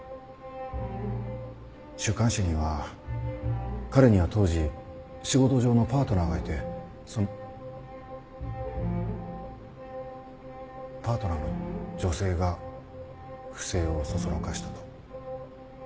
週刊誌には彼には当時仕事上のパートナーがいてそのパートナーの女性が不正をそそのかしたと。